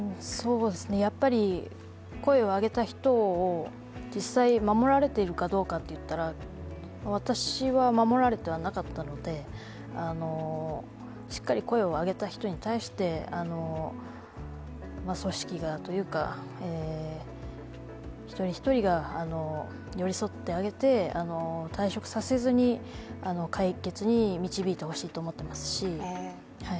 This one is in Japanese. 声を上げた人が実際、守られているかどうかって言ったら、私は守られてはいなかったのでしっかり声を上げた人に対して組織というか、一人一人が寄り添ってあげて退職させずに解決に導いてほしいと思ってますし。